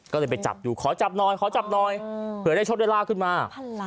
ก็เลยไปจับอยู่ขอจับน้อยเผื่อได้โชคด้วยลาขึ้นมา